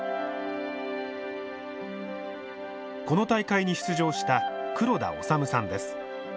この大会に出場した黒田脩さんです。